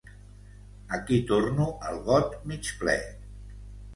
Aquí torno al got mig ple.